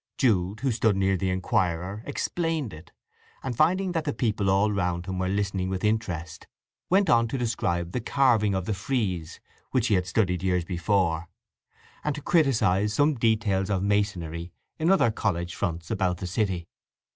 Jude, who stood near the inquirer, explained it, and finding that the people all round him were listening with interest, went on to describe the carving of the frieze (which he had studied years before), and to criticize some details of masonry in other college fronts about the city.